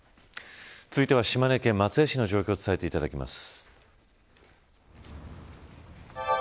続いては島根県松江市の状況を伝えていただきます。